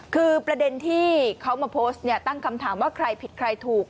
คือประเด็นที่เขามาโพสต์เนี่ยตั้งคำถามว่าใครผิดใครถูก